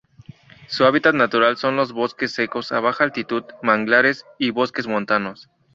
Su hábitat natural son los bosques secos a baja altitud, manglares y bosques montanos.